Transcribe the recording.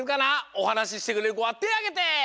おはなししてくれるこはてをあげて！